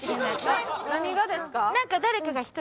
何がですか？